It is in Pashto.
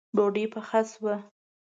ډوډۍ پخه شوه